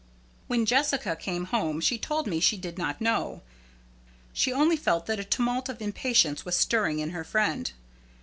When Jessica came home she told me she did not know. She only felt that a tumult of impatience was stirring in her friend.